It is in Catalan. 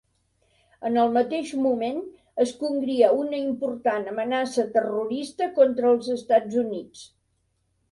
En el mateix moment, es congria una important amenaça terrorista contra els Estats Units.